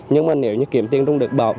nhưng mà nếu kiếm tiền không được bảo